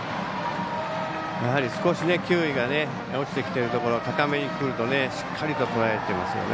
少し球威が落ちてきているところ高めにくるとしっかりととらえてますよね。